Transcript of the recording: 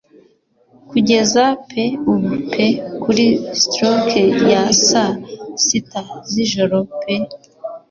Kugeza pe ubu pe kuri stroke ya saa sita z'ijoro pe